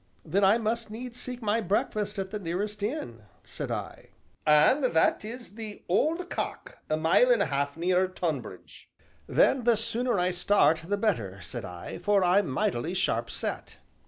"Then I must needs seek my breakfast at the nearest inn," said I. "An' that is the 'Old Cock,' a mile an' a half nearer Tonbridge." "Then the sooner I start the better," said I, "for I'm mightily sharp set."